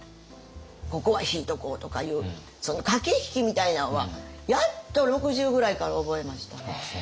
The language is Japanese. ここは引いとこうとかいうその駆け引きみたいなんはやっと６０ぐらいから覚えましたね。